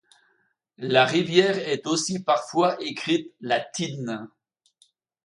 La rivière est aussi parfois écrite la Thine.